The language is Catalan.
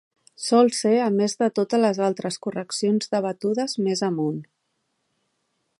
Sol ser a més de totes les altres correccions debatudes més amunt.